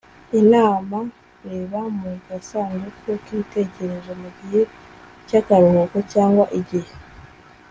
I n a m a reba mu gasanduku k ibitekerezo mu gihe cy akaruhuko cyangwa igihe